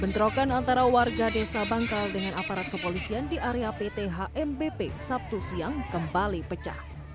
bentrokan antara warga desa bangkal dengan aparat kepolisian di area pt hmbp sabtu siang kembali pecah